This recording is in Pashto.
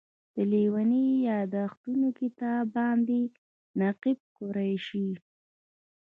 د لېوني یادښتونو کتاب باندې نقیب قریشي.